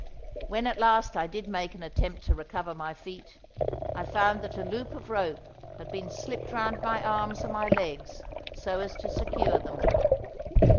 When at last I did make an attempt to recover my feet I found that a loop of rope had been slipped round my arms and my legs so as to secure them.